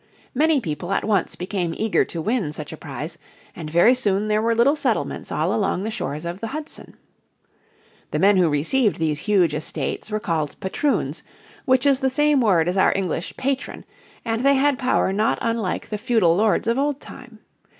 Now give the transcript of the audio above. Many people at once became eager to win such a prize, and very soon there were little settlements all along the shores of the Hudson. The men who received these huge estates were called patroons, which is the same word as our English patron, and they had power not unlike the feudal lords of old time.